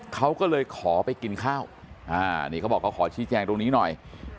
เขาก็เลยขอไปกินข้าวนี่เขาบอกเขาขอชี้แจงตรงนี้หน่อย